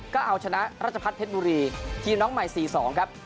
ก็เอาชนะรัชพัฒนเพชรบุรีทีมน้องใหม่๔๒ครับ